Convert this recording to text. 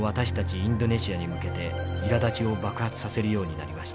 インドネシアに向けていらだちを爆発させるようになりました。